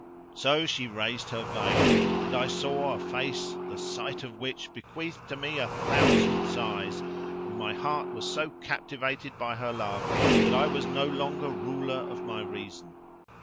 So she raised her veil and I saw a face the sight of which bequeathed to me a thousand sighs, and my heart was so captivated by her love that I was no longer ruler of my reason.